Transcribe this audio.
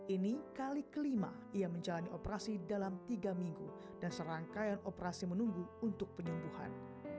ini kali kelima ia menjalani operasi dalam tiga minggu dan serangkaian operasi menunggu untuk penyembuhan